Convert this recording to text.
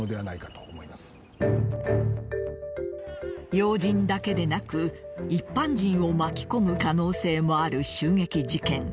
要人だけでなく一般人を巻き込む可能性もある襲撃事件。